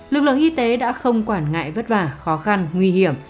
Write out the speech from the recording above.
lực lượng y tế đã không quản ngại vất vả khó khăn nguy hiểm